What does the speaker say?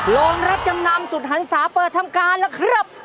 โรงรับจำนำสุดหันศาเปิดทำการล่ะครับ